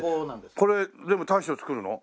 これ全部大将作るの？